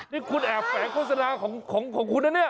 นี่คุณแอบแฝงโฆษณาของคุณนะเนี่ย